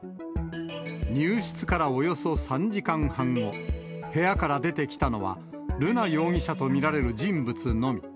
入室からおよそ３時間半後、部屋から出てきたのは、瑠奈容疑者と見られる人物のみ。